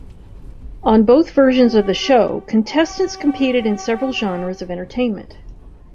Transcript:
On both versions of the show, contestants competed in several genres of entertainment.